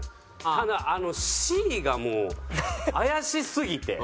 ただＣがもう怪しすぎて。